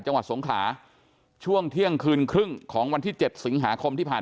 จังหวัดสงขลาช่วงเที่ยงคืนครึ่งของวันที่๗สิงหาคมที่ผ่าน